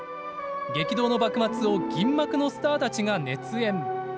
激動の幕末を銀幕のスターたちが熱演。